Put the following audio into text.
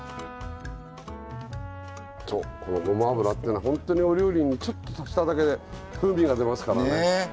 そうこのごま油ってのはホントにお料理にちょっと足しただけで風味が出ますからね。